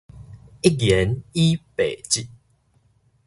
一言以蔽之